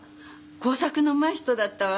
工作のうまい人だったわ。